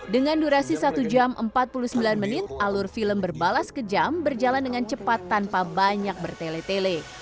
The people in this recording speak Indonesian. dengan durasi satu jam empat puluh sembilan menit alur film berbalas kejam berjalan dengan cepat tanpa banyak bertele tele